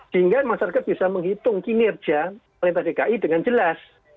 sehingga masyarakat bisa menghitung kinerja pemerintah dki dengan jelas